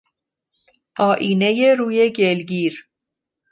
آیینهی روی گلگیر